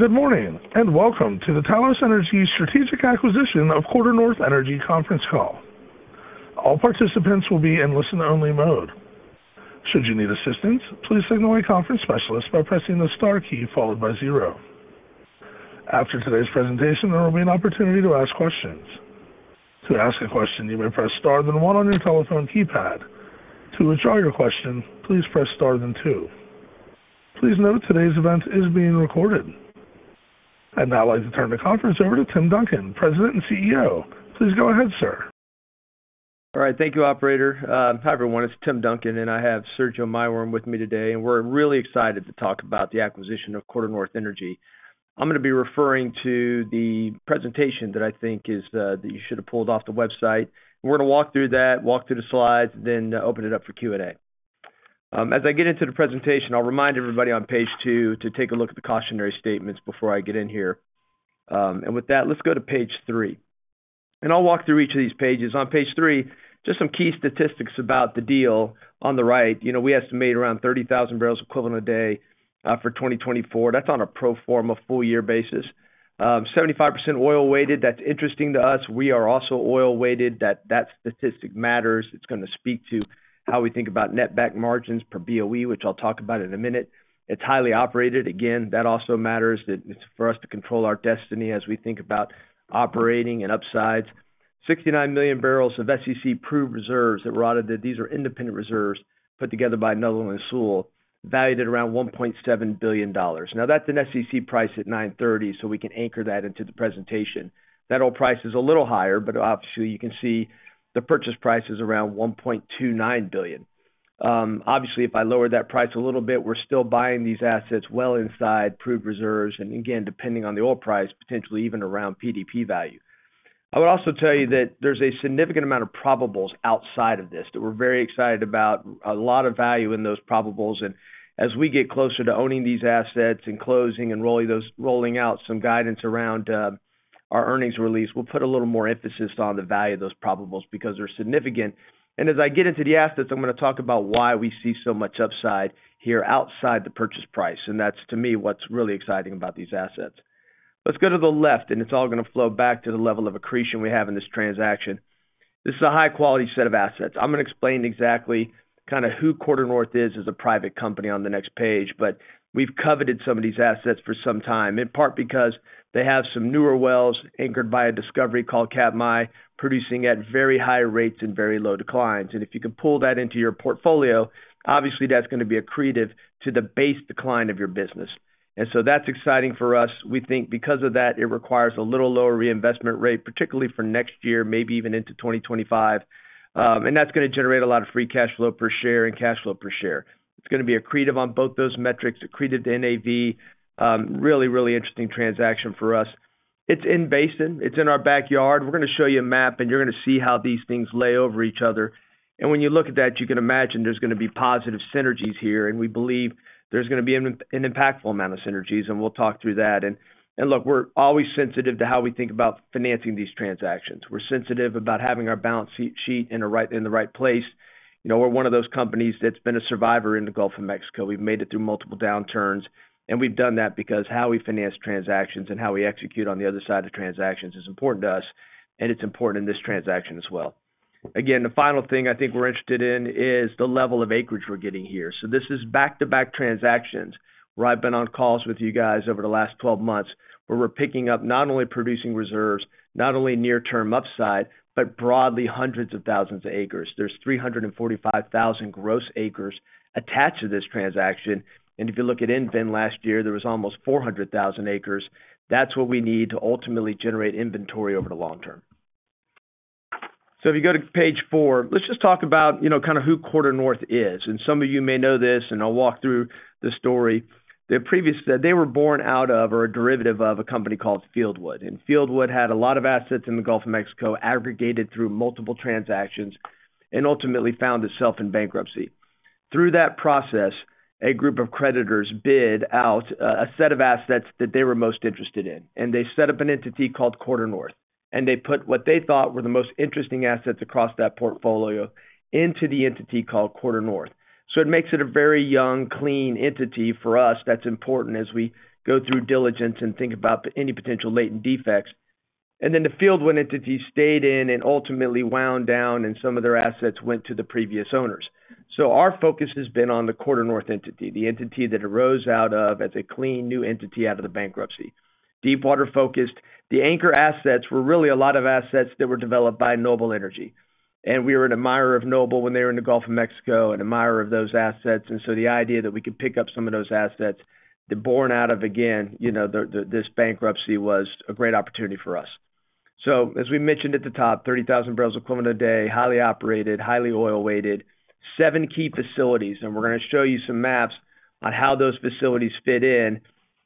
Good morning, and welcome to the Talos Energy Strategic Acquisition of QuarterNorth Energy conference call. All participants will be in listen-only mode. Should you need assistance, please signal a conference specialist by pressing the star key followed by zero. After today's presentation, there will be an opportunity to ask questions. To ask a question, you may press star then one on your telephone keypad. To withdraw your question, please press star then two. Please note, today's event is being recorded. I'd now like to turn the conference over to Tim Duncan, President and CEO. Please go ahead, sir. All right, thank you, operator. Hi, everyone, it's Tim Duncan, and I have Sergio Maiworm with me today, and we're really excited to talk about the acquisition of QuarterNorth Energy. I'm gonna be referring to the presentation that I think is that you should have pulled off the website. We're gonna walk through that, walk through the slides, then open it up for Q&A. As I get into the presentation, I'll remind everybody on page 2 to take a look at the cautionary statements before I get in here. And with that, let's go to page 3. I'll walk through each of these pages. On page 3, just some key statistics about the deal on the right. You know, we estimate around 30,000 barrels equivalent a day for 2024. That's on a pro forma full-year basis. 75% oil weighted, that's interesting to us. We are also oil-weighted, that statistic matters. It's gonna speak to how we think about netback margins per BOE, which I'll talk about in a minute. It's highly operated. Again, that also matters that for us to control our destiny as we think about operating and upsides. 69 million barrels of SEC proved reserves that were audited. These are independent reserves put together by Netherland, Sewell, valued at around $1.7 billion. Now, that's an SEC price at $9.30, so we can anchor that into the presentation. That oil price is a little higher, but obviously, you can see the purchase price is around $1.29 billion. Obviously, if I lower that price a little bit, we're still buying these assets well inside proved reserves, and again, depending on the oil price, potentially even around PDP value. I would also tell you that there's a significant amount of probables outside of this, that we're very excited about. A lot of value in those probables, and as we get closer to owning these assets and closing and rolling out some guidance around our earnings release, we'll put a little more emphasis on the value of those probables because they're significant. And as I get into the assets, I'm gonna talk about why we see so much upside here outside the purchase price, and that's, to me, what's really exciting about these assets. Let's go to the left, and it's all gonna flow back to the level of accretion we have in this transaction. This is a high-quality set of assets. I'm gonna explain exactly kinda who QuarterNorth is as a private company on the next page, but we've coveted some of these assets for some time, in part because they have some newer wells anchored by a discovery called Katmai, producing at very high rates and very low declines. If you can pull that into your portfolio, obviously, that's gonna be accretive to the base decline of your business. So that's exciting for us. We think because of that, it requires a little lower reinvestment rate, particularly for next year, maybe even into 2025. And that's gonna generate a lot of free cash flow per share and cash flow per share. It's gonna be accretive on both those metrics, accretive to NAV. Really, really interesting transaction for us. It's in basin, it's in our backyard. We're gonna show you a map, and you're gonna see how these things lay over each other. And when you look at that, you can imagine there's gonna be positive synergies here, and we believe there's gonna be an impactful amount of synergies, and we'll talk through that. And look, we're always sensitive to how we think about financing these transactions. We're sensitive about having our balance sheet in the right, in the right place. You know, we're one of those companies that's been a survivor in the Gulf of Mexico. We've made it through multiple downturns, and we've done that because how we finance transactions and how we execute on the other side of transactions is important to us, and it's important in this transaction as well. Again, the final thing I think we're interested in is the level of acreage we're getting here. So this is back-to-back transactions, where I've been on calls with you guys over the last 12 months, where we're picking up not only producing reserves, not only near-term upside, but broadly hundreds of thousands of acres. There's 345,000 gross acres attached to this transaction, and if you look at EnVen last year, there was almost 400,000 acres. That's what we need to ultimately generate inventory over the long term. So if you go to page four, let's just talk about, you know, kinda who QuarterNorth is. And some of you may know this, and I'll walk through the story. They previously, they were born out of or a derivative of a company called Fieldwood. And Fieldwood had a lot of assets in the Gulf of Mexico, aggregated through multiple transactions and ultimately found itself in bankruptcy. Through that process, a group of creditors bid out a set of assets that they were most interested in, and they set up an entity called QuarterNorth, and they put what they thought were the most interesting assets across that portfolio into the entity called QuarterNorth. So it makes it a very young, clean entity. For us, that's important as we go through diligence and think about any potential latent defects. And then the Fieldwood entity stayed in and ultimately wound down, and some of their assets went to the previous owners. So our focus has been on the QuarterNorth entity, the entity that arose out of... as a clean, new entity out of the bankruptcy. Deepwater-focused. The anchor assets were really a lot of assets that were developed by Noble Energy, and we were an admirer of Noble when they were in the Gulf of Mexico, an admirer of those assets, and so the idea that we could pick up some of those assets, that born out of, again, you know, the bankruptcy was a great opportunity for us. So as we mentioned at the top, 30,000 barrels equivalent a day, highly operated, highly oil weighted, seven key facilities, and we're gonna show you some maps on how those facilities fit in,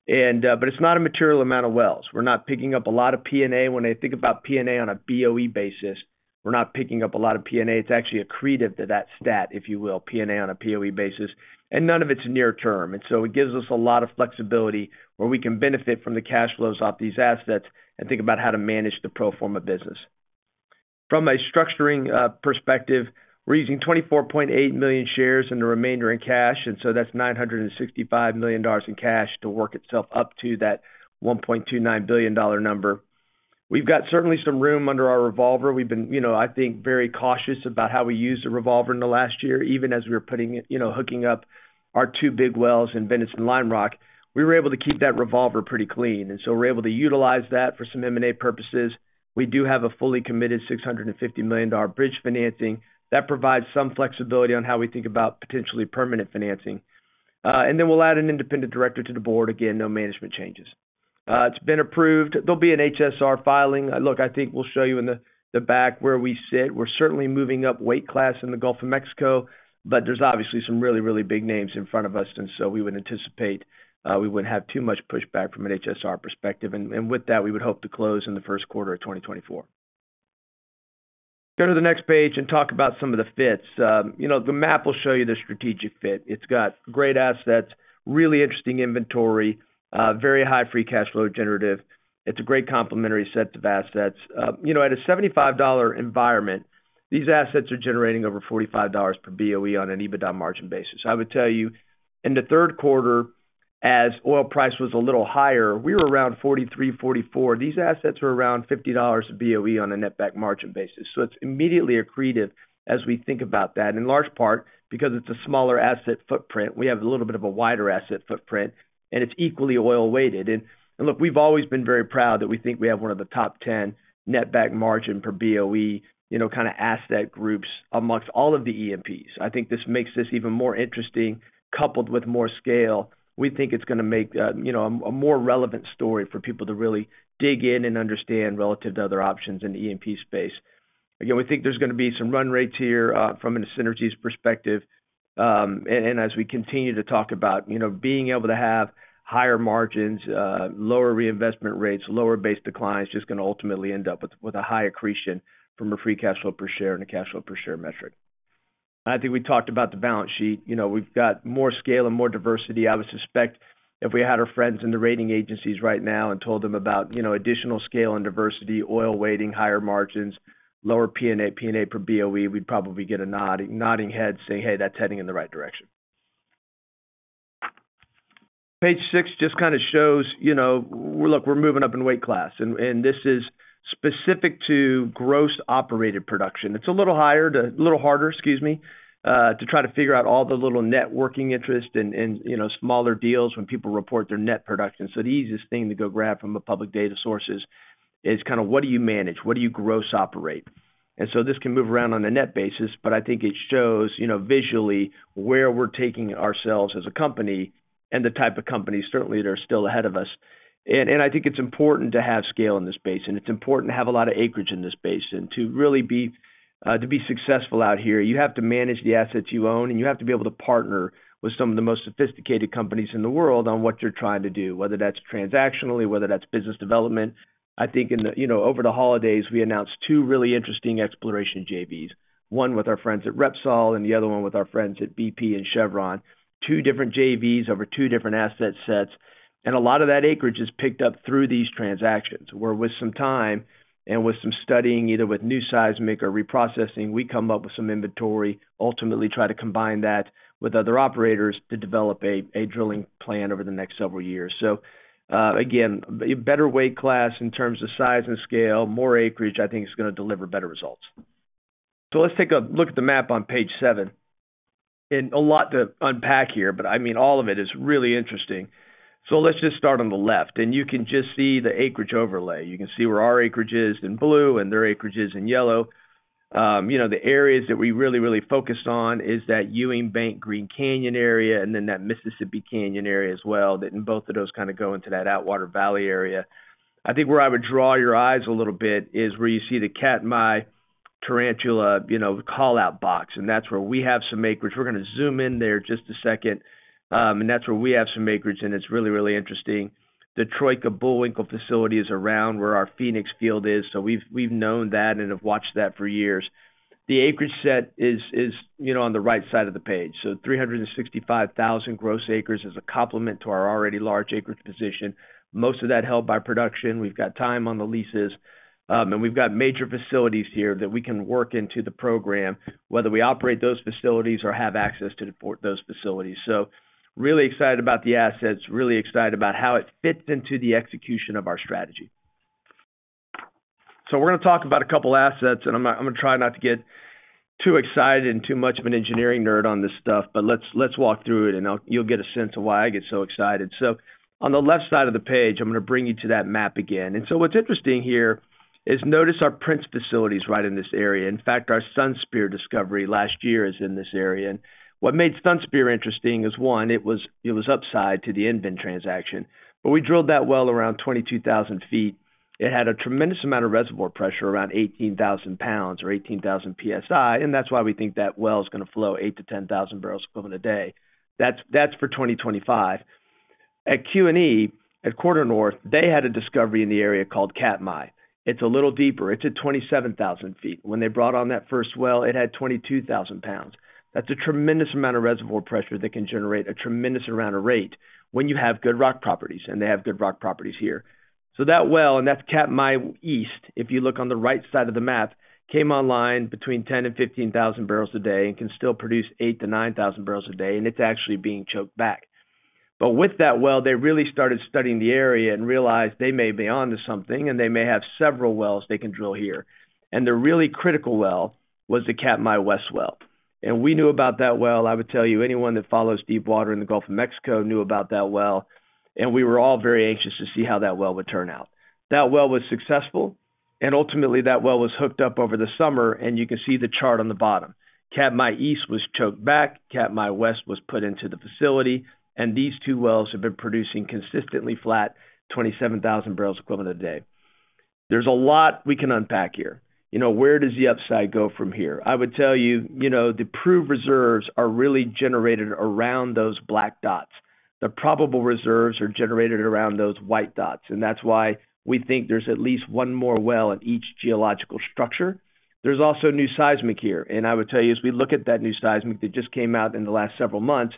and, but it's not a material amount of wells. We're not picking up a lot of P&A. When I think about P&A on a BOE basis, we're not picking up a lot of P&A. It's actually accretive to that stat, if you will, P&A on a POE basis, and none of it's near term. So it gives us a lot of flexibility where we can benefit from the cash flows off these assets and think about how to manage the pro forma business. From a structuring, perspective, we're using 24.8 million shares and the remainder in cash, and so that's $965 million in cash to work itself up to that $1.29 billion number. We've got certainly some room under our revolver. We've been, you know, I think, very cautious about how we use the revolver in the last year, even as we were putting it, you know, hooking up our two big wells in Venice and Lime Rock, we were able to keep that revolver pretty clean, and so we're able to utilize that for some M&A purposes. We do have a fully committed $650 million bridge financing. That provides some flexibility on how we think about potentially permanent financing. And then we'll add an independent director to the board. Again, no management changes. It's been approved. There'll be an HSR filing. Look, I think we'll show you in the, the back where we sit. We're certainly moving up weight class in the Gulf of Mexico, but there's obviously some really, really big names in front of us, and so we would anticipate we wouldn't have too much pushback from an HSR perspective. And with that, we would hope to close in the first quarter of 2024. Go to the next page and talk about some of the fits. You know, the map will show you the strategic fit. It's got great assets, really interesting inventory, very high free cash flow generative. It's a great complementary set of assets. You know, at a $75 environment, these assets are generating over $45 per BOE on an EBITDA margin basis. I would tell you, in the third quarter, as oil price was a little higher, we were around $43, $44. These assets were around $50 a BOE on a netback margin basis. So it's immediately accretive as we think about that, in large part, because it's a smaller asset footprint. We have a little bit of a wider asset footprint, and it's equally oil weighted. And, look, we've always been very proud that we think we have one of the top 10 netback margin per BOE, you know, kinda asset groups amongst all of the EMPs. I think this makes this even more interesting, coupled with more scale. We think it's gonna make, you know, a more relevant story for people to really dig in and understand relative to other options in the E&P space. Again, we think there's gonna be some run rates here from a synergies perspective, and as we continue to talk about, you know, being able to have higher margins, lower reinvestment rates, lower base declines, just gonna ultimately end up with a high accretion from a free cash flow per share and a cash flow per share metric. I think we talked about the balance sheet. You know, we've got more scale and more diversity. I would suspect if we had our friends in the rating agencies right now and told them about, you know, additional scale and diversity, oil weighting, higher margins, lower P&A, P&A per BOE, we'd probably get a nod, nodding head saying, "Hey, that's heading in the right direction." Page 6 just kinda shows, you know, look, we're moving up in weight class, and, and this is specific to gross operated production. It's a little harder, excuse me, to try to figure out all the little net working interest and, and, you know, smaller deals when people report their net production. So the easiest thing to go grab from the public data sources is kinda what do you manage? What do you gross operate? And so this can move around on a net basis, but I think it shows, you know, visually, where we're taking ourselves as a company and the type of companies certainly that are still ahead of us. And I think it's important to have scale in this basin. It's important to have a lot of acreage in this basin. To really be, to be successful out here, you have to manage the assets you own, and you have to be able to partner with some of the most sophisticated companies in the world on what you're trying to do, whether that's transactionally, whether that's business development. I think in the, you know, over the holidays, we announced two really interesting exploration JVs, one with our friends at Repsol, and the other one with our friends at BP and Chevron. Two different JVs over two different asset sets, and a lot of that acreage is picked up through these transactions, where with some time and with some studying, either with new seismic or reprocessing, we come up with some inventory, ultimately try to combine that with other operators to develop a drilling plan over the next several years. So, again, a better weight class in terms of size and scale, more acreage, I think, is gonna deliver better results. So let's take a look at the map on page 7. A lot to unpack here, but I mean, all of it is really interesting. So let's just start on the left, and you can just see the acreage overlay. You can see where our acreage is in blue and their acreage is in yellow. You know, the areas that we really, really focused on is that Ewing Bank Green Canyon area and then that Mississippi Canyon area as well, that and both of those kinda go into that Atwater Valley area. I think where I would draw your eyes a little bit is where you see the Katmai Tarantula, you know, the call-out box, and that's where we have some acreage. We're gonna zoom in there just a second, and that's where we have some acreage, and it's really, really interesting. The Troika Bullwinkle facility is around where our Phoenix field is, so we've known that and have watched that for years. The acreage set is, you know, on the right side of the page, so 365,000 gross acres is a complement to our already large acreage position. Most of that held by production. We've got time on the leases, and we've got major facilities here that we can work into the program, whether we operate those facilities or have access to the port, those facilities. So really excited about the assets, really excited about how it fits into the execution of our strategy. So we're gonna talk about a couple assets, and I'm gonna try not to get too excited and too much of an engineering nerd on this stuff, but let's walk through it, and I'll. You'll get a sense of why I get so excited. So on the left side of the page, I'm gonna bring you to that map again. And so what's interesting here is, notice our Prince facility is right in this area. In fact, our Sunspear discovery last year is in this area. What made Sunspear interesting is, one, it was, it was upside to the EnVen transaction, but we drilled that well around 22,000 feet. It had a tremendous amount of reservoir pressure, around 18,000 pounds or 18,000 psi, and that's why we think that well is gonna flow 8,000-10,000 barrels equivalent a day. That's, that's for 2025.... At QNE, at QuarterNorth, they had a discovery in the area called Katmai. It's a little deeper. It's at 27,000 feet. When they brought on that first well, it had 22,000 pounds. That's a tremendous amount of reservoir pressure that can generate a tremendous amount of rate when you have good rock properties, and they have good rock properties here. That well, and that's Katmai East, if you look on the right side of the map, came online between 10,000-15,000 barrels a day, and can still produce 8,000-9,000 barrels a day, and it's actually being choked back. But with that well, they really started studying the area and realized they may be onto something, and they may have several wells they can drill here. The really critical well was the Katmai West well. We knew about that well. I would tell you, anyone that follows deepwater in the Gulf of Mexico knew about that well, and we were all very anxious to see how that well would turn out. That well was successful, and ultimately, that well was hooked up over the summer, and you can see the chart on the bottom. Katmai East was choked back, Katmai West was put into the facility, and these two wells have been producing consistently flat, 27,000 barrels equivalent a day. There's a lot we can unpack here. You know, where does the upside go from here? I would tell you, you know, the proved reserves are really generated around those black dots. The probable reserves are generated around those white dots, and that's why we think there's at least one more well in each geological structure. There's also new seismic here, and I would tell you, as we look at that new seismic that just came out in the last several months,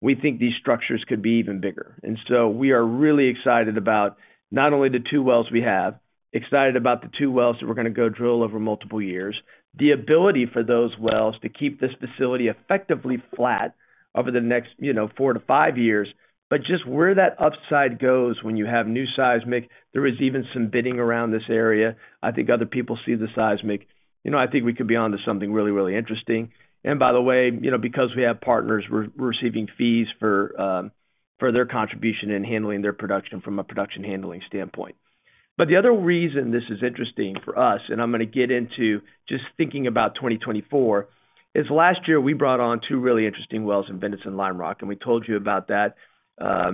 we think these structures could be even bigger. And so we are really excited about not only the two wells we have, excited about the two wells that we're gonna go drill over multiple years, the ability for those wells to keep this facility effectively flat over the next, you know, four to five years. But just where that upside goes when you have new seismic, there is even some bidding around this area. I think other people see the seismic. You know, I think we could be onto something really, really interesting. And by the way, you know, because we have partners, we're receiving fees for their contribution in handling their production from a production handling standpoint. But the other reason this is interesting for us, and I'm gonna get into just thinking about 2024, is last year we brought on two really interesting wells in Venice and Lime Rock, and we told you about that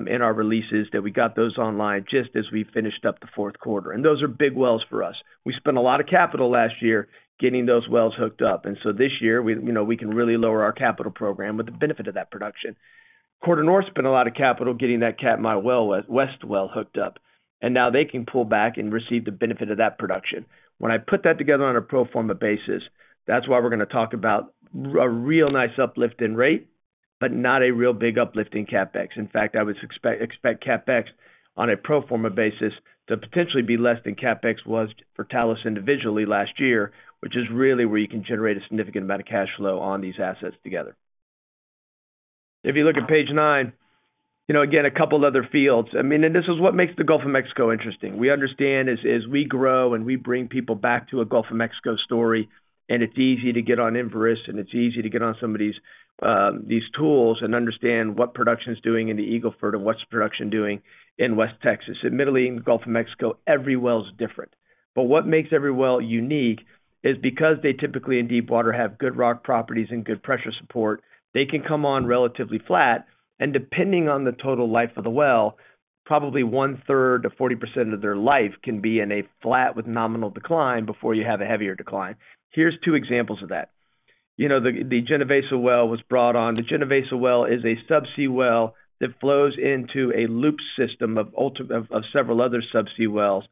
in our releases, that we got those online just as we finished up the fourth quarter. And those are big wells for us. We spent a lot of capital last year getting those wells hooked up, and so this year, we you know we can really lower our capital program with the benefit of that production. QuarterNorth spent a lot of capital getting that Katmai West well hooked up, and now they can pull back and receive the benefit of that production. When I put that together on a pro forma basis, that's why we're gonna talk about a real nice uplift in rate, but not a real big uplift in CapEx. In fact, I would expect CapEx on a pro forma basis to potentially be less than CapEx was for Talos individually last year, which is really where you can generate a significant amount of cash flow on these assets together. If you look at page 9, you know, again, a couple other fields. I mean, and this is what makes the Gulf of Mexico interesting. We understand as we grow and we bring people back to a Gulf of Mexico story, and it's easy to get on Enverus, and it's easy to get on some of these tools and understand what production is doing in the Eagle Ford or what's production doing in West Texas. Admittedly, in the Gulf of Mexico, every well is different. But what makes every well unique is because they typically, in deep water, have good rock properties and good pressure support, they can come on relatively flat, and depending on the total life of the well, probably one-third to 40% of their life can be in a flat with nominal decline before you have a heavier decline. Here's two examples of that. You know, the Genovesa well was brought on. The Genovesa well is a subsea well that flows into a loop system of several other subsea wells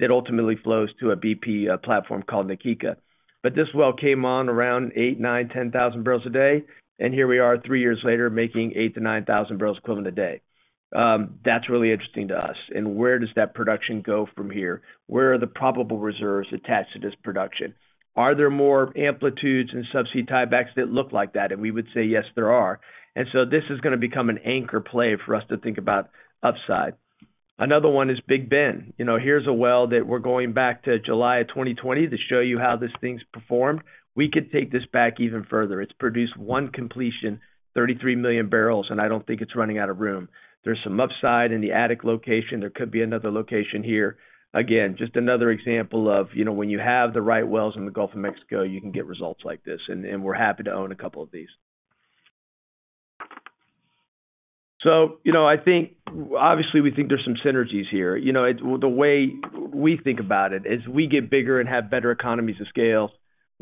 that ultimately flows to a BP platform called Na Kika. But this well came on around 8,000-10,000 barrels a day, and here we are, three years later, making 8,000-9,000 barrels equivalent a day. That's really interesting to us. And where does that production go from here? Where are the probable reserves attached to this production? Are there more amplitudes and subsea tiebacks that look like that? And we would say, yes, there are. And so this is gonna become an anchor play for us to think about upside. Another one is Big Ben. You know, here's a well that we're going back to July of 2020 to show you how this thing's performed. We could take this back even further. It's produced one completion, 33 million barrels, and I don't think it's running out of room. There's some upside in the attic location. There could be another location here. Again, just another example of, you know, when you have the right wells in the Gulf of Mexico, you can get results like this, and, and we're happy to own a couple of these. So, you know, I think. Obviously, we think there's some synergies here. You know, it, the way we think about it, as we get bigger and have better economies of scale,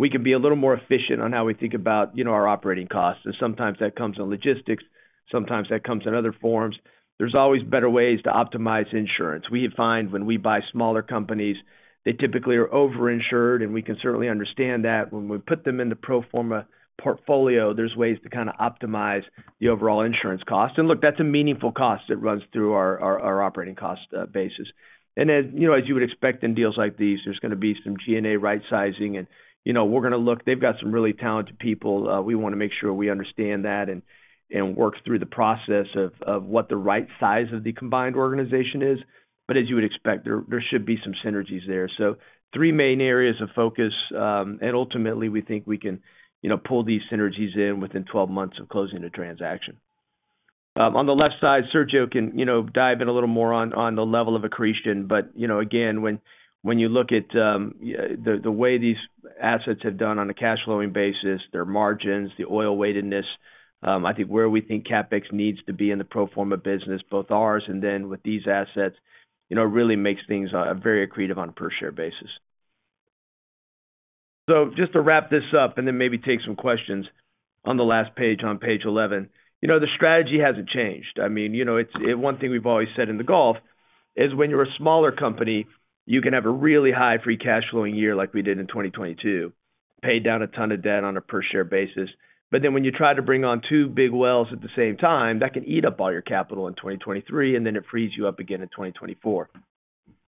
we can be a little more efficient on how we think about, you know, our operating costs. And sometimes that comes in logistics, sometimes that comes in other forms. There's always better ways to optimize insurance. We find when we buy smaller companies, they typically are over-insured, and we can certainly understand that. When we put them in the pro forma portfolio, there's ways to kinda optimize the overall insurance cost. And look, that's a meaningful cost that runs through our operating cost basis. And then, you know, as you would expect in deals like these, there's gonna be some G&A right sizing and, you know, we're gonna look. They've got some really talented people. We wanna make sure we understand that and work through the process of what the right size of the combined organization is. But as you would expect, there should be some synergies there. So three main areas of focus, and ultimately, we think we can, you know, pull these synergies in within 12 months of closing the transaction. On the left side, Sergio can, you know, dive in a little more on the level of accretion. But, you know, again, when you look at the way these assets have done on a cash flowing basis, their margins, the oil weightedness, I think where we think CapEx needs to be in the pro forma business, both ours and then with these assets, you know, really makes things very accretive on a per-share basis. So just to wrap this up and then maybe take some questions on the last page, on page 11. You know, the strategy hasn't changed. I mean, you know, it's one thing we've always said in the Gulf is when you're a smaller company, you can have a really high free cash flowing year like we did in 2022, pay down a ton of debt on a per share basis. But then when you try to bring on two big wells at the same time, that can eat up all your capital in 2023, and then it frees you up again in 2024.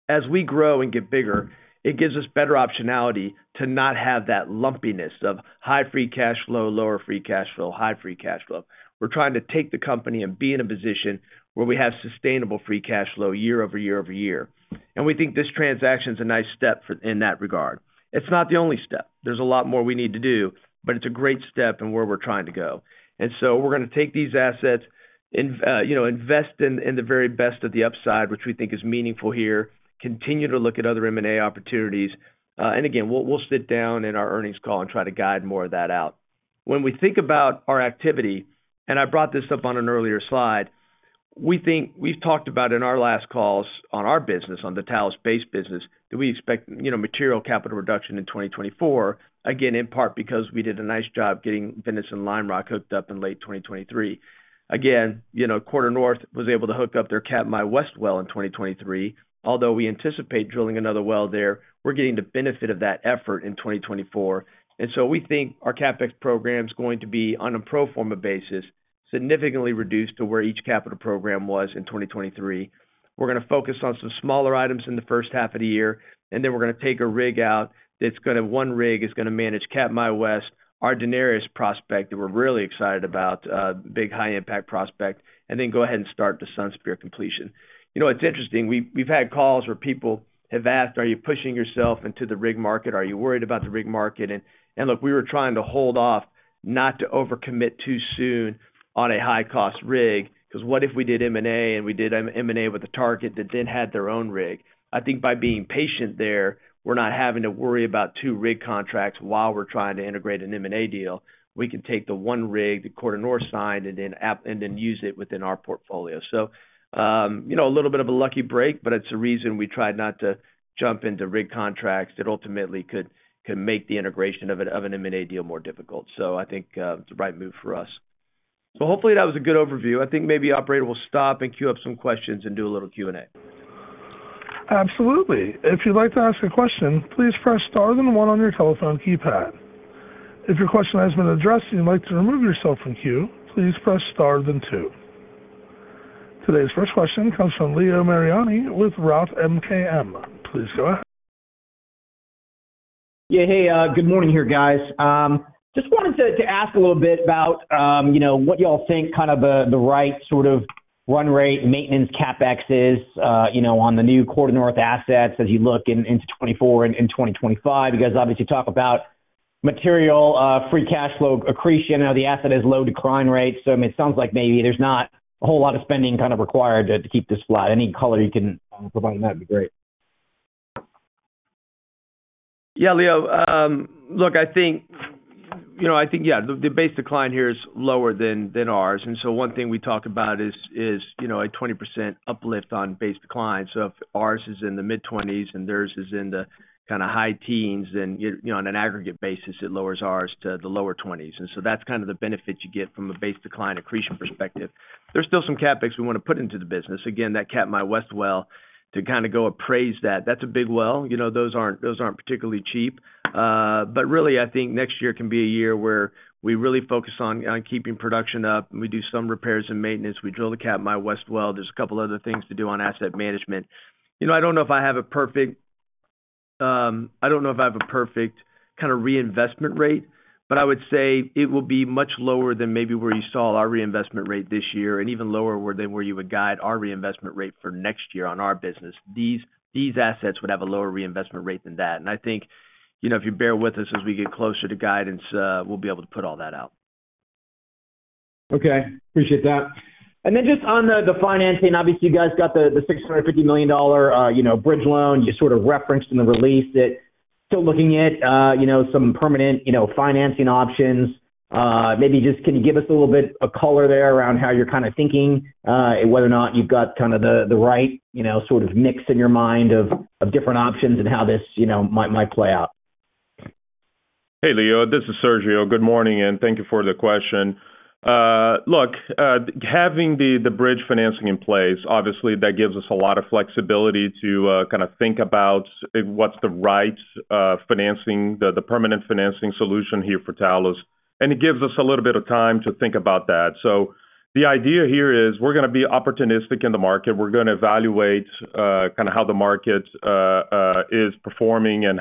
As we grow and get bigger, it gives us better optionality to not have that lumpiness of high free cash flow, lower free cash flow, high free cash flow. We're trying to take the company and be in a position where we have sustainable free cash flow year over year over year. And we think this transaction is a nice step for, in that regard. It's not the only step. There's a lot more we need to do, but it's a great step in where we're trying to go. And so we're gonna take these assets, invest in the very best of the upside, which we think is meaningful here, continue to look at other M&A opportunities, and again, we'll sit down in our earnings call and try to guide more of that out. When we think about our activity, and I brought this up on an earlier slide, we think we've talked about in our last calls on our business, on the Talos base business, that we expect, you know, material capital reduction in 2024, again, in part because we did a nice job getting Venice and Lime Rock hooked up in late 2023. Again, you know, QuarterNorth was able to hook up their Katmai West well in 2023. Although we anticipate drilling another well there, we're getting the benefit of that effort in 2024. So we think our CapEx program is going to be, on a pro forma basis, significantly reduced to where each capital program was in 2023. We're gonna focus on some smaller items in the first half of the year, and then we're gonna take a rig out that's gonna—one rig is gonna manage Katmai West, our Daenerys prospect, that we're really excited about, big high impact prospect, and then go ahead and start the Sunspear completion. You know, it's interesting, we've had calls where people have asked, "Are you pushing yourself into the rig market? Are you worried about the rig market?" And look, we were trying to hold off, not to overcommit too soon on a high-cost rig, because what if we did M&A, and we did M&A with a target that then had their own rig? I think by being patient there, we're not having to worry about two rig contracts while we're trying to integrate an M&A deal. We can take the one rig, the QuarterNorth signed, and then use it within our portfolio. So, you know, a little bit of a lucky break, but it's a reason we tried not to jump into rig contracts that ultimately could, can make the integration of an, of an M&A deal more difficult. So I think, it's the right move for us. So hopefully that was a good overview. I think maybe operator will stop and queue up some questions and do a little Q&A. Absolutely. If you'd like to ask a question, please press star then one on your telephone keypad. If your question has been addressed and you'd like to remove yourself from queue, please press star then two. Today's first question comes from Leo Mariani with Roth MKM. Please go ahead. Yeah, hey, good morning here, guys. Just wanted to ask a little bit about, you know, what y'all think kind of the right sort of run rate, maintenance CapEx is, you know, on the new QuarterNorth assets as you look in, into 2024 and in 2025. You guys obviously talk about material, free cash flow accretion. Now, the asset has low decline rates, so, I mean, it sounds like maybe there's not a whole lot of spending kind of required to keep this flat. Any color you can provide on that would be great. Yeah, Leo, look, I think, you know, I think, yeah, the, the base decline here is lower than, than ours. And so one thing we talk about is, is, you know, a 20% uplift on base decline. So if ours is in the mid-20s and theirs is in the kinda high teens, then, you, you know, on an aggregate basis, it lowers ours to the lower 20s. And so that's kind of the benefit you get from a base decline accretion perspective. There's still some CapEx we wanna put into the business. Again, that Katmai West well, to kinda go appraise that. That's a big well, you know, those aren't, those aren't particularly cheap. But really, I think next year can be a year where we really focus on, on keeping production up, and we do some repairs and maintenance. We drill the Katmai West well. There's a couple other things to do on asset management. You know, I don't know if I have a perfect kinda reinvestment rate, but I would say it will be much lower than maybe where you saw our reinvestment rate this year, and even lower, than where you would guide our reinvestment rate for next year on our business. These assets would have a lower reinvestment rate than that. And I think, you know, if you bear with us as we get closer to guidance, we'll be able to put all that out. Okay. Appreciate that. And then just on the, the financing, obviously, you guys got the, the $650 million, you know, bridge loan you sort of referenced in the release that still looking at, you know, some permanent, you know, financing options. Maybe just can you give us a little bit of color there around how you're kinda thinking, and whether or not you've got kinda the, the right, you know, sort of mix in your mind of, of different options and how this, you know, might, might play out? Hey, Leo, this is Sergio. Good morning, and thank you for the question. Look, having the bridge financing in place, obviously, that gives us a lot of flexibility to kinda think about what's the right financing, the permanent financing solution here for Talos, and it gives us a little bit of time to think about that. So the idea here is we're gonna be opportunistic in the market. We're gonna evaluate kinda how the market is performing and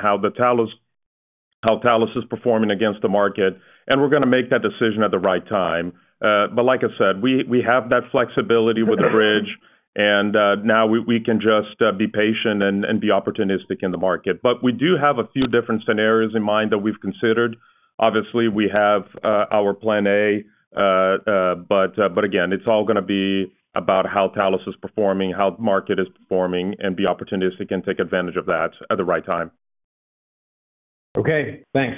how Talos is performing against the market, and we're gonna make that decision at the right time. But like I said, we have that flexibility with the bridge, and now we can just be patient and be opportunistic in the market. We do have a few different scenarios in mind that we've considered. Obviously, we have our plan A, but again, it's all gonna be about how Talos is performing, how the market is performing, and be opportunistic and take advantage of that at the right time. Okay, thanks.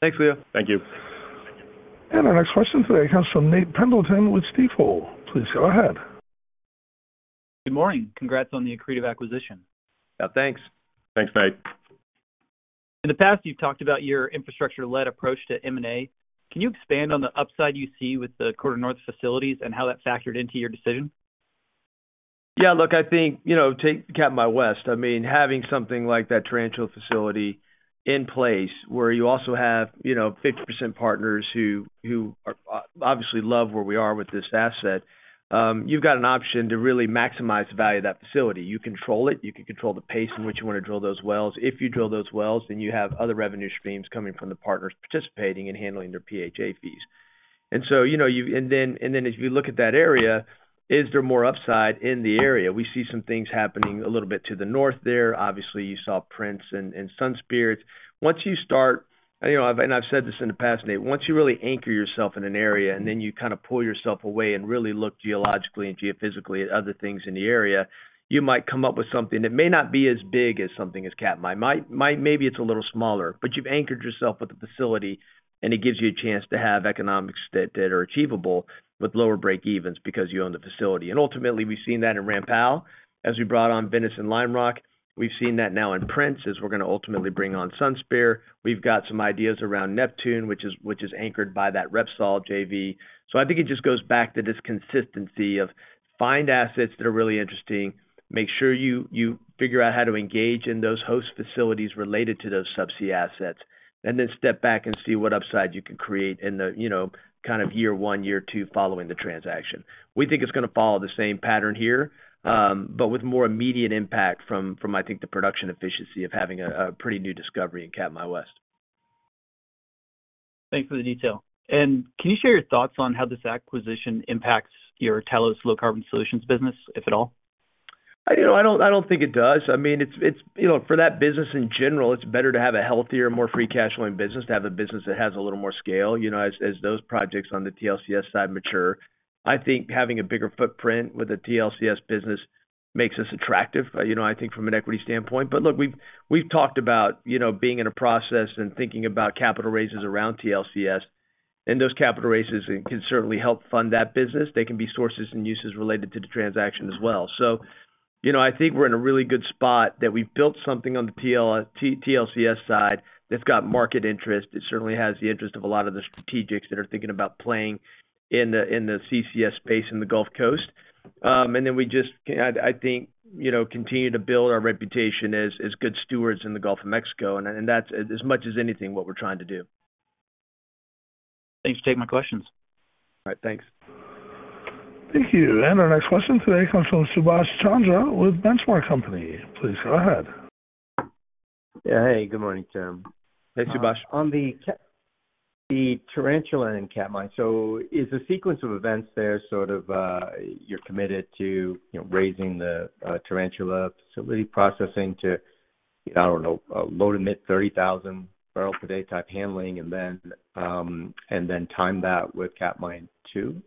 Thanks, Leo. Thank you. Our next question today comes from Nate Pendleton with Stifel. Please go ahead. Good morning. Congrats on the accretive acquisition. Yeah, thanks. Thanks, Nate. In the past, you've talked about your infrastructure-led approach to M&A. Can you expand on the upside you see with the QuarterNorth facilities and how that factored into your decision? Yeah, look, I think, you know, take Katmai West. I mean, having something like that Tarantula facility in place where you also have, you know, 50% partners who are obviously love where we are with this asset. You've got an option to really maximize the value of that facility. You control it, you can control the pace in which you want to drill those wells. If you drill those wells, then you have other revenue streams coming from the partners participating and handling their PHA fees. And so, you know, you and then as you look at that area, is there more upside in the area? We see some things happening a little bit to the north there. Obviously, you saw Prince and Sunspear. Once you start... You know, and I've said this in the past, Nate, once you really anchor yourself in an area, and then you kinda pull yourself away and really look geologically and geophysically at other things in the area, you might come up with something that may not be as big as something as Katmai. Might, might-- maybe it's a little smaller, but you've anchored yourself with a facility, and it gives you a chance to have economics that, that are achievable with lower break evens because you own the facility. And ultimately, we've seen that in Ram Powell as we brought on Venice and Lime Rock. We've seen that now in Prince, as we're gonna ultimately bring on Sunspear. We've got some ideas around Neptune, which is, which is anchored by that Repsol JV. So I think it just goes back to this consistency of find assets that are really interesting, make sure you figure out how to engage in those host facilities related to those subsea assets, and then step back and see what upside you can create in the, you know, kind of year one, year two, following the transaction. We think it's gonna follow the same pattern here, but with more immediate impact from, I think, the production efficiency of having a pretty new discovery in Katmai West. Thanks for the detail. Can you share your thoughts on how this acquisition impacts your Talos Low Carbon Solutions business, if at all? You know, I don't think it does. I mean, it's... You know, for that business in general, it's better to have a healthier, more free cash flowing business, to have a business that has a little more scale, you know, as those projects on the TLCS side mature. I think having a bigger footprint with a TLCS business makes us attractive, you know, I think from an equity standpoint. But look, we've talked about, you know, being in a process and thinking about capital raises around TLCS, and those capital raises can certainly help fund that business. They can be sources and uses related to the transaction as well. So, you know, I think we're in a really good spot that we've built something on the TLCS side that's got market interest. It certainly has the interest of a lot of the strategics that are thinking about playing in the CCS space in the Gulf Coast. And then we just, I think, you know, continue to build our reputation as good stewards in the Gulf of Mexico, and that's, as much as anything, what we're trying to do. Thanks for taking my questions. All right. Thanks. Thank you. And our next question today comes from Subhash Chandra with Benchmark Company. Please go ahead. Yeah. Hey, good morning, Tim. Hey, Subhash. On the Katmai-- the Tarantula and Katmai, so is the sequence of events there sort of, you're committed to, you know, raising the, Tarantula facility processing to, I don't know, low to mid-30,000 barrels per day type handling, and then, and then time that with Katmai two?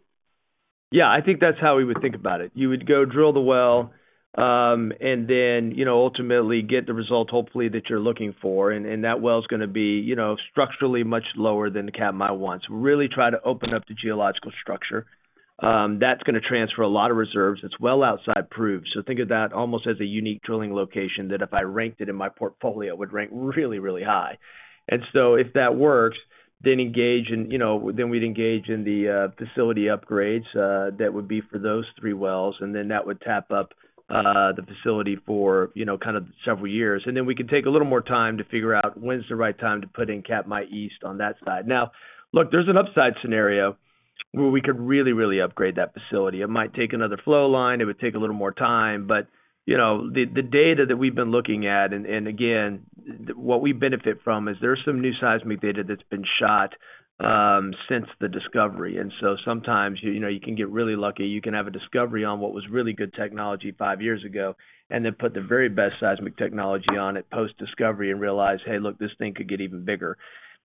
Yeah, I think that's how we would think about it. You would go drill the well, and then, you know, ultimately get the result, hopefully, that you're looking for, and that well is gonna be, you know, structurally much lower than the Katmai wants. Really try to open up the geological structure. That's gonna transfer a lot of reserves. It's well outside proved. So think of that almost as a unique drilling location, that if I ranked it in my portfolio, it would rank really, really high. And so if that works, then engage in—you know, then we'd engage in the facility upgrades that would be for those three wells, and then that would tap up the facility for, you know, kind of several years. And then we can take a little more time to figure out when's the right time to put in Katmai East on that side. Now, look, there's an upside scenario where we could really, really upgrade that facility. It might take another flow line, it would take a little more time, but, you know, the, the data that we've been looking at, and, and again, what we benefit from is there's some new seismic data that's been shot, since the discovery. And so sometimes, you know, you can get really lucky. You can have a discovery on what was really good technology five years ago, and then put the very best seismic technology on it post-discovery and realize, "Hey, look, this thing could get even bigger."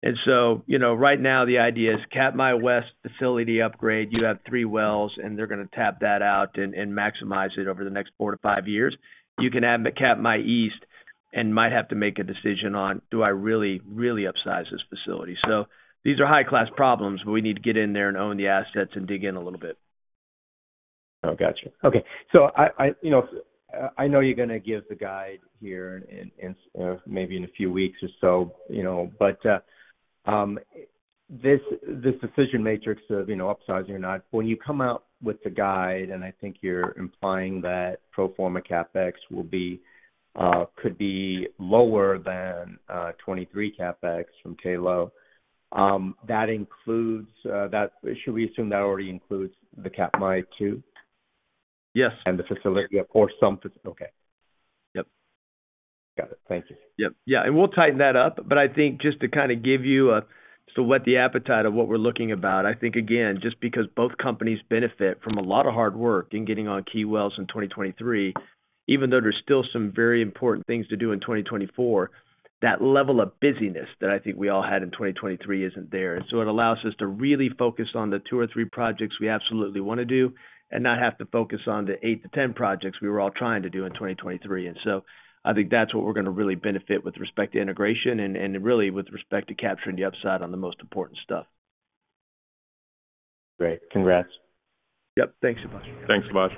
And so, you know, right now the idea is Katmai West facility upgrade, you have three wells, and they're gonna tap that out and maximize it over the next four to five years. You can add Katmai East and might have to make a decision on, do I really, really upsize this facility? So these are high-class problems, but we need to get in there and own the assets and dig in a little bit. Oh, got you. Okay. So I, you know, I know you're gonna give the guide here in, maybe in a few weeks or so, you know. But, this decision matrix of, you know, upsizing or not, when you come out with the guide, and I think you're implying that pro forma CapEx will be, could be lower than, 2023 CapEx from Talos, that includes, that—should we assume that already includes the Katmai 2? Yes. And the facility, or some. Okay. Yep. Got it. Thank you. Yep. Yeah, and we'll tighten that up, but I think just to kinda give you a, so what the appetite of what we're looking about, I think, again, just because both companies benefit from a lot of hard work in getting on key wells in 2023, even though there's still some very important things to do in 2024, that level of busyness that I think we all had in 2023 isn't there. So it allows us to really focus on the 2 or 3 projects we absolutely wanna do, and not have to focus on the 8-10 projects we were all trying to do in 2023. And so I think that's what we're gonna really benefit with respect to integration and, and really with respect to capturing the upside on the most important stuff. Great. Congrats! Yep, thanks, Subash. Thanks, Subash.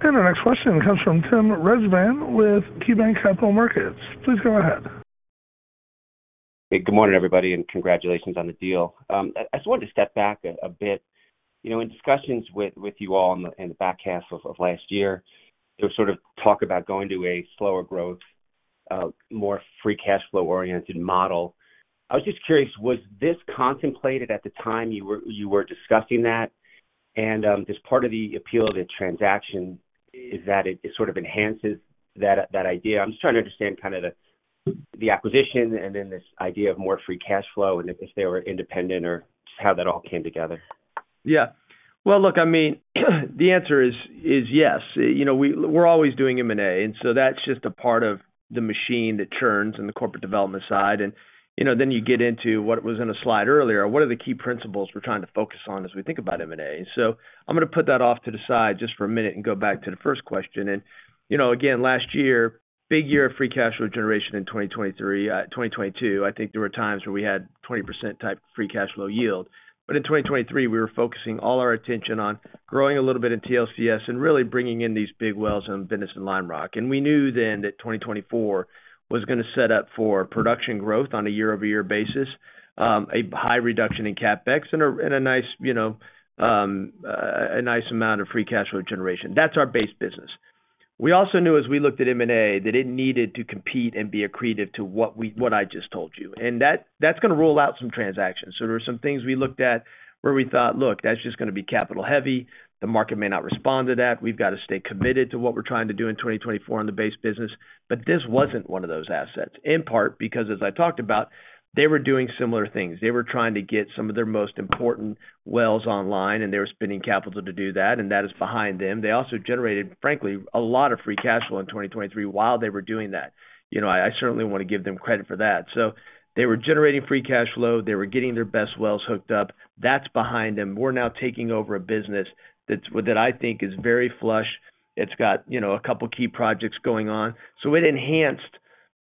Our next question comes from Tim Rezvan with KeyBanc Capital Markets. Please go ahead. Hey, good morning, everybody, and congratulations on the deal. I just wanted to step back a bit. You know, in discussions with you all in the back half of last year, there was sort of talk about going to a slower growth, more free cash flow-oriented model. I was just curious, was this contemplated at the time you were discussing that? And this part of the appeal of the transaction is that it sort of enhances that idea. I'm just trying to understand kind of the acquisition and then this idea of more free cash flow and if they were independent or just how that all came together. Yeah. Well, look, I mean, the answer is, is yes. You know, we- we're always doing M&A, and so that's just a part of the machine that churns in the corporate development side. And, you know, then you get into what was in a slide earlier, what are the key principles we're trying to focus on as we think about M&A? So I'm gonna put that off to the side just for a minute and go back to the first question. And, you know, again, last year, big year of free cash flow generation in 2023, twenty twenty-two. I think there were times where we had 20% type free cash flow yield. But in 2023, we were focusing all our attention on growing a little bit in TLCS and really bringing in these big wells in Venice and Lime Rock. We knew then that 2024 was gonna set up for production growth on a year-over-year basis, a high reduction in CapEx and a nice, you know, a nice amount of free cash flow generation. That's our base business. We also knew as we looked at M&A, that it needed to compete and be accretive to what we, what I just told you, and that, that's gonna rule out some transactions. So there were some things we looked at where we thought, "Look, that's just gonna be capital heavy. The market may not respond to that. We've got to stay committed to what we're trying to do in 2024 on the base business." But this wasn't one of those assets, in part because, as I talked about, they were doing similar things. They were trying to get some of their most important wells online, and they were spending capital to do that, and that is behind them. They also generated, frankly, a lot of free cash flow in 2023 while they were doing that. You know, I, I certainly want to give them credit for that. So they were generating free cash flow. They were getting their best wells hooked up. That's behind them. We're now taking over a business that's, that I think is very flush. It's got, you know, a couple key projects going on. So it enhanced,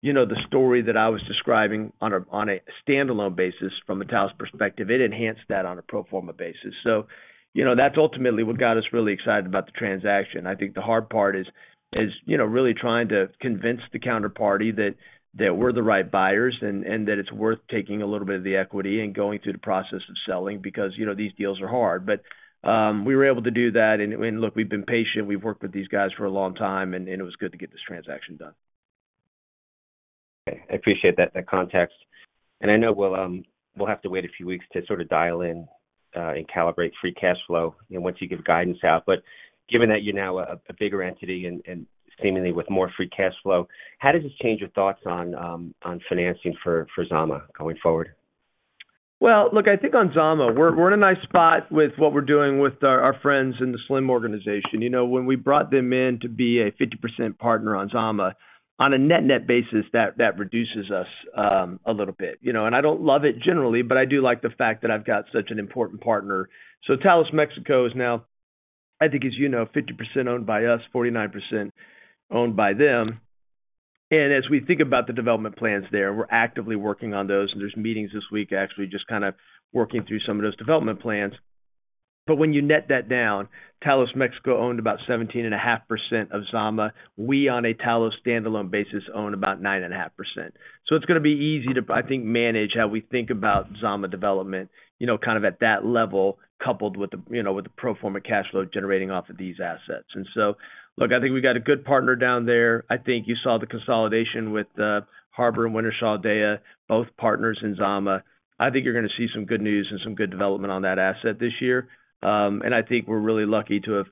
you know, the story that I was describing on a, on a standalone basis from a Talos perspective. It enhanced that on a pro forma basis. So, you know, that's ultimately what got us really excited about the transaction. I think the hard part is, you know, really trying to convince the counterparty that we're the right buyers, and that it's worth taking a little bit of the equity and going through the process of selling because, you know, these deals are hard. But we were able to do that. And look, we've been patient. We've worked with these guys for a long time, and it was good to get this transaction done. Okay. I appreciate that, that context. I know we'll, we'll have to wait a few weeks to sort of dial in, and calibrate free cash flow, you know, once you give guidance out. But given that you're now a, a bigger entity and, and seemingly with more free cash flow, how does this change your thoughts on, on financing for, for Zama going forward? Well, look, I think on Zama, we're, we're in a nice spot with what we're doing with our, our friends in the Slim organization. You know, when we brought them in to be a 50% partner on Zama, on a net-net basis, that, that reduces us a little bit. You know, and I don't love it generally, but I do like the fact that I've got such an important partner. So Talos Mexico is now, I think, as you know, 50% owned by us, 49% owned by them. And as we think about the development plans there, we're actively working on those, and there's meetings this week, actually, just kind of working through some of those development plans. But when you net that down, Talos Mexico owned about 17.5% of Zama. We, on a Talos standalone basis, own about 9.5%. So it's gonna be easy to, I think, manage how we think about Zama development, you know, kind of at that level, coupled with the, you know, with the pro forma cash flow generating off of these assets. And so, look, I think we got a good partner down there. I think you saw the consolidation with Harbour and Wintershall Dea, both partners in Zama. I think you're gonna see some good news and some good development on that asset this year. And I think we're really lucky to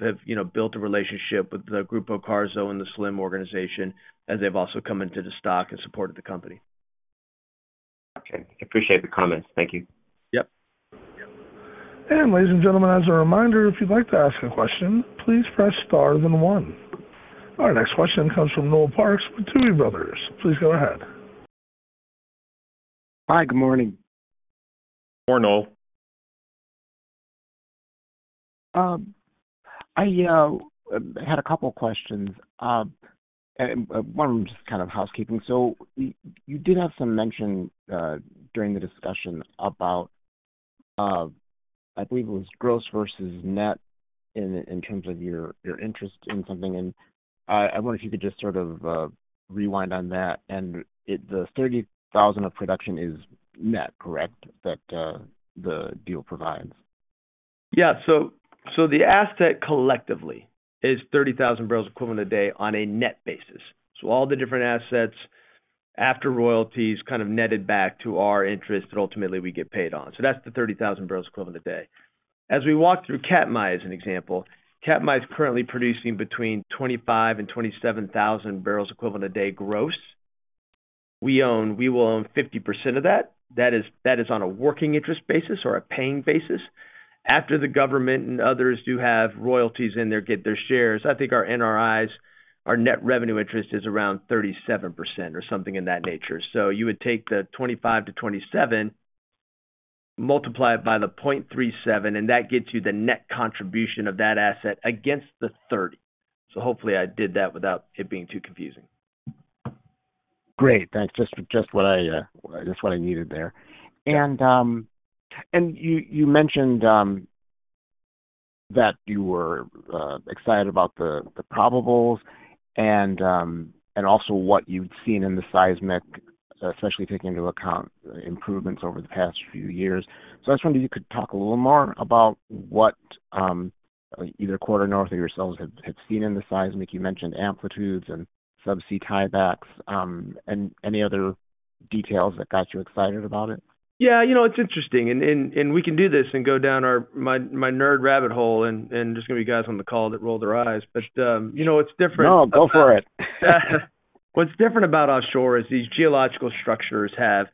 have, you know, built a relationship with the Grupo Carso and the Slim organization as they've also come into the stock and supported the company. Okay, appreciate the comments. Thank you. Yep. Ladies and gentlemen, as a reminder, if you'd like to ask a question, please press star, then 1. Our next question comes from Noel Parks with Tuohy Brothers. Please go ahead. Hi, good morning. Morning, Noel. I had a couple questions. And one of them is just kind of housekeeping. So you did have some mention during the discussion about, I believe it was gross versus net in terms of your interest in something, and I wonder if you could just sort of rewind on that. And the 30,000 of production is net, correct? That the deal provides. Yeah. So, so the asset collectively is 30,000 barrels equivalent a day on a net basis. So all the different assets after royalties, kind of netted back to our interest, but ultimately, we get paid on. So that's the 30,000 barrels equivalent a day. As we walk through Katmai, as an example, Katmai is currently producing between 25,000 and 27,000 barrels equivalent a day gross. We own—We will own 50% of that. That is, that is on a working interest basis or a paying basis. After the government and others do have royalties in there, get their shares, I think our NRIs, our net revenue interest, is around 37% or something in that nature. So you would take the 25 to 27, multiply it by the 0.37, and that gets you the net contribution of that asset against the 30. Hopefully, I did that without it being too confusing. Great, thanks. Just what I needed there. And you mentioned that you were excited about the probables and also what you've seen in the seismic, especially taking into account improvements over the past few years. So I was wondering if you could talk a little more about what either Quarter North or yourselves had seen in the seismic. You mentioned amplitudes and subsea tiebacks and any other details that got you excited about it? Yeah, you know, it's interesting, and we can do this and go down our, my nerd rabbit hole, and there's gonna be guys on the call that roll their eyes. But, you know, what's different- No, go for it. What's different about offshore is these geological structures have,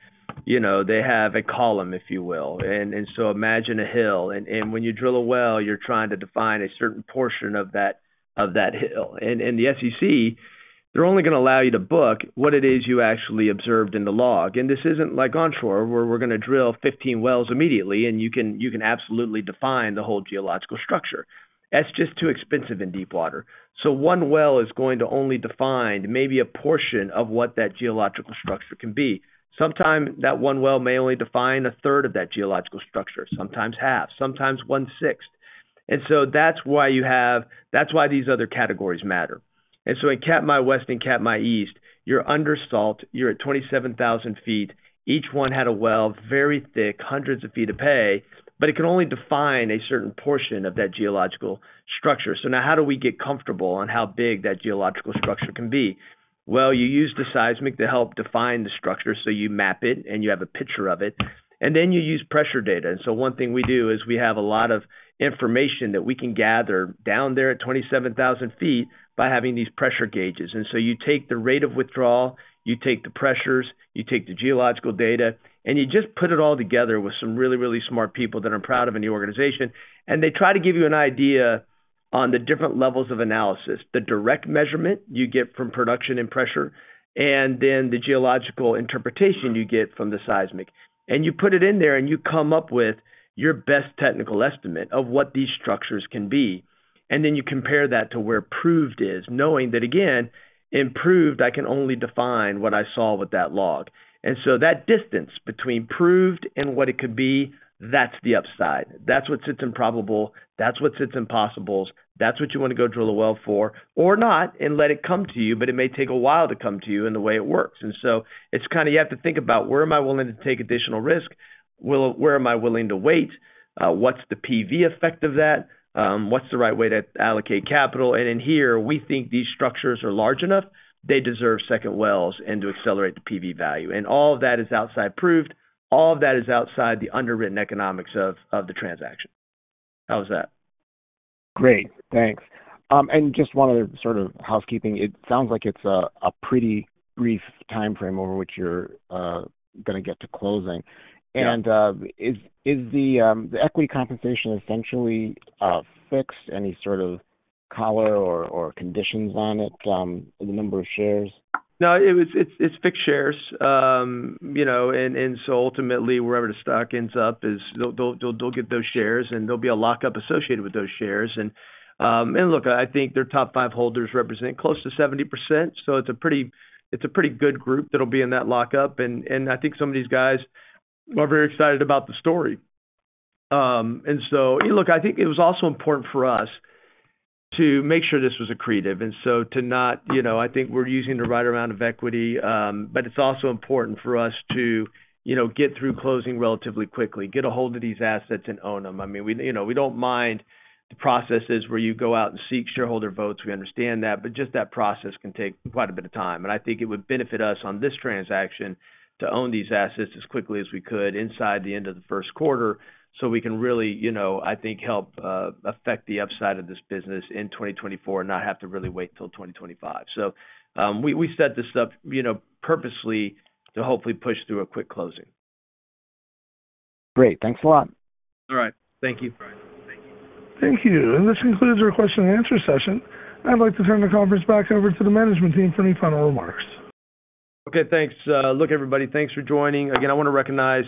you know, they have a column, if you will. And so imagine a hill, and when you drill a well, you're trying to define a certain portion of that hill. And in the SEC, they're only gonna allow you to book what it is you actually observed in the log. And this isn't like onshore, where we're gonna drill 15 wells immediately, and you can absolutely define the whole geological structure. That's just too expensive in deep water. So one well is going to only define maybe a portion of what that geological structure can be. Sometimes that one well may only define a third of that geological structure, sometimes half, sometimes one-sixth. And so that's why you have, that's why these other categories matter. In Katmai West and Katmai East, you're under salt, you're at 27,000 feet. Each one had a well, very thick, hundreds of feet of pay, but it can only define a certain portion of that geological structure. So now how do we get comfortable on how big that geological structure can be? Well, you use the seismic to help define the structure. So you map it, and you have a picture of it, and then you use pressure data. And so one thing we do is we have a lot of information that we can gather down there at 27,000 feet by having these pressure gauges. So you take the rate of withdrawal, you take the pressures, you take the geological data, and you just put it all together with some really, really smart people that I'm proud of in the organization, and they try to give you an idea on the different levels of analysis. The direct measurement you get from production and pressure, and then the geological interpretation you get from the seismic. You put it in there, and you come up with your best technical estimate of what these structures can be. Then you compare that to where proved is, knowing that, again, in proved, I can only define what I saw with that log. So that distance between proved and what it could be, that's the upside. That's what sits in probable, that's what sits in possibles, that's what you wanna go drill a well for, or not, and let it come to you, but it may take a while to come to you in the way it works. So it's kinda you have to think about, where am I willing to take additional risk? Well, where am I willing to wait? What's the PV effect of that? What's the right way to allocate capital? And in here, we think these structures are large enough, they deserve second wells and to accelerate the PV value. And all of that is outside proved, all of that is outside the underwritten economics of the transaction. How's that? Great, thanks. Just one other sort of housekeeping. It sounds like it's a pretty brief timeframe over which you're gonna get to closing. Yeah. Is the equity compensation essentially fixed, any sort of collar or conditions on it, the number of shares? No, it was. It's fixed shares. You know, and so ultimately, wherever the stock ends up, they'll get those shares, and there'll be a lockup associated with those shares. And look, I think their top five holders represent close to 70%, so it's a pretty good group that'll be in that lockup, and I think some of these guys are very excited about the story. And so... And look, I think it was also important for us to make sure this was accretive, and so, you know, I think we're using the right amount of equity, but it's also important for us to, you know, get through closing relatively quickly, get a hold of these assets and own them. I mean, we, you know, we don't mind the processes where you go out and seek shareholder votes. We understand that, but just that process can take quite a bit of time, and I think it would benefit us on this transaction to own these assets as quickly as we could inside the end of the first quarter, so we can really, you know, I think, help affect the upside of this business in 2024 and not have to really wait till 2025. So, we, we set this up, you know, purposely to hopefully push through a quick closing. Great, thanks a lot. All right. Thank you. Thank you. This concludes our question and answer session. I'd like to turn the conference back over to the management team for any final remarks. Okay, thanks. Look, everybody, thanks for joining. Again, I wanna recognize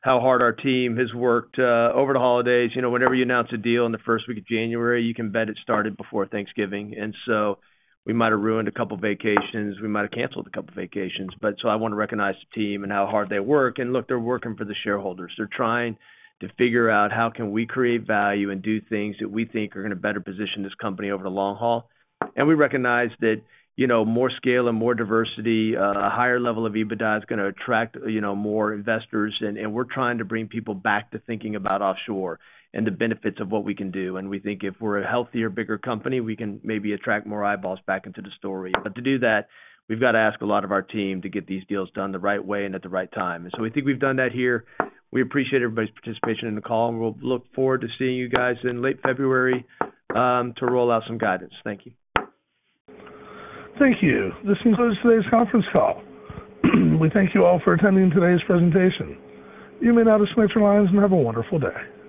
how hard our team has worked over the holidays. You know, whenever you announce a deal in the first week of January, you can bet it started before Thanksgiving, and so we might have ruined a couple vacations, we might have canceled a couple vacations. But so I want to recognize the team and how hard they work, and look, they're working for the shareholders. They're trying to figure out, how can we create value and do things that we think are gonna better position this company over the long haul? And we recognize that, you know, more scale and more diversity, a higher level of EBITDA is gonna attract, you know, more investors, and, and we're trying to bring people back to thinking about offshore and the benefits of what we can do. And we think if we're a healthier, bigger company, we can maybe attract more eyeballs back into the story. But to do that, we've got to ask a lot of our team to get these deals done the right way and at the right time. And so we think we've done that here. We appreciate everybody's participation in the call, and we'll look forward to seeing you guys in late February to roll out some guidance. Thank you. Thank you. This concludes today's conference call. We thank you all for attending today's presentation. You may now disconnect your lines and have a wonderful day.